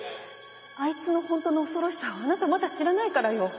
アイツのホントの恐ろしさをあなたまだ知らないからよ。